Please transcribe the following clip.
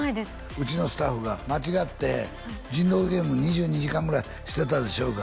うちのスタッフが間違って「人狼ゲーム２２時間ぐらいしてたでしょうが」